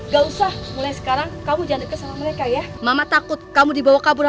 gak usah mulai sekarang kamu jangan dekat sama mereka ya mama takut kamu dibawa kabur